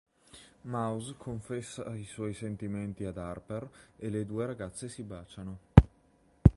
Mouse confessa i suoi sentimenti ad Harper e le due ragazze si baciano.